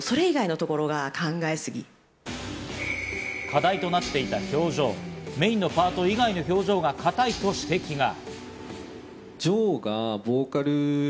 課題となっていた表情、メインのパート以外の表情が硬いと指摘が。